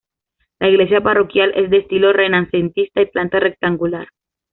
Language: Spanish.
La Iglesia Parroquial es de estilo renacentista y planta rectangular.